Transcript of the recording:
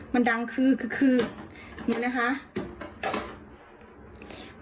มันดังคือคือคือนี่นะคะ